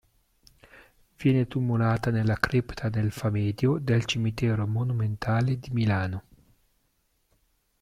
Viene tumulata nella Cripta del Famedio del Cimitero Monumentale di Milano.